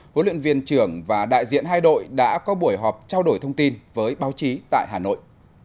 huấn luyện viên trưởng và đại diện hai đội đã có buổi họp trao đổi thông tin với báo chí tại hà nội